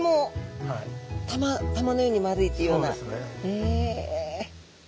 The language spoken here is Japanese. へえ。